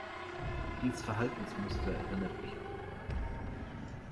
Dieses Verhaltensmuster erinnert mich an jemanden.